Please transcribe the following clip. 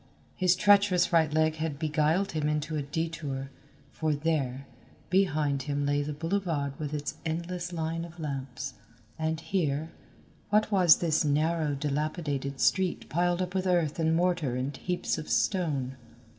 His treacherous right leg had beguiled him into a detour, for there, behind him lay the boulevard with its endless line of lamps, and here, what was this narrow dilapidated street piled up with earth and mortar and heaps of stone?